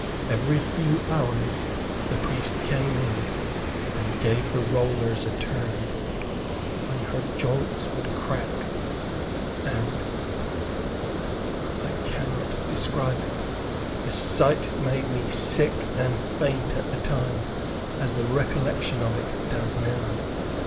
Every few hours the priest came in, and gave the rollers a turn, when her joints would crack and but I cannot describe it. The sight made me sick and faint at the time, as the recollection of it, does now.